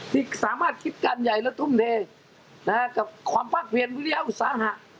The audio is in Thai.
ที่สามารถคิดการใหญ่และทุ่มเทกับความภาคเวียนวิทยาอุตสาหะ